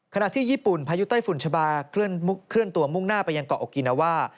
ที่ญี่ปุ่นพายุไต้ฝุ่นชะบาเคลื่อนตัวมุ่งหน้าไปยังเกาะอกกินาว่า